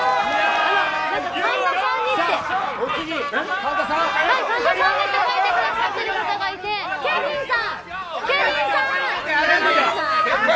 神田さんって書いてくださってる方がいてケビンさん。